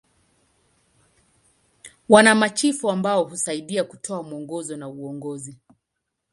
Wana machifu ambao husaidia kutoa mwongozo na uongozi.